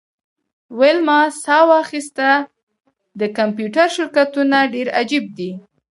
ویلما ساه واخیسته د کمپیوټر شرکتونه ډیر عجیب دي